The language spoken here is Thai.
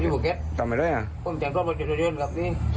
ผมมึงจังว่าโงงก็ก่อนเรื่องกับ